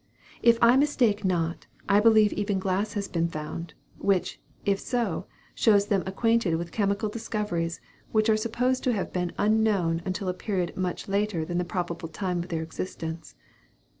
If I mistake not, I believe even glass has been found, which, if so, shows them acquainted with chemical discoveries, which are supposed to have been unknown until a period much later than the probable time of their existence.